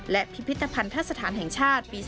และพิพิธภัณฑสถานแห่งชาติปี๒๕